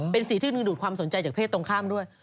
เป็นสีที่ดึงดูดความสนใจจากเพศตรงข้ามด้วย